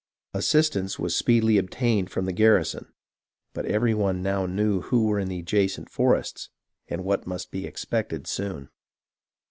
Assistance was speedily obtained from the garrison ; but every one now knew who were in the adjacent forests, and what must be expected soon.